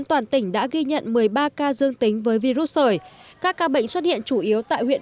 toàn tỉnh đã ghi nhận một mươi ba ca dương tính với virus sởi các ca bệnh xuất hiện chủ yếu tại huyện